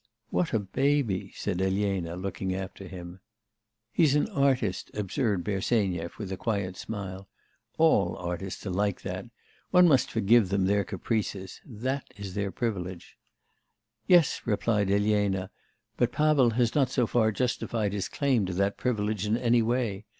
'What a baby,' said Elena, looking after him. 'He's an artist,' observed Bersenyev with a quiet smile. 'All artists are like that. One must forgive them their caprices. That is their privilege.' 'Yes,' replied Elena; 'but Pavel has not so far justified his claim to that privilege in any way.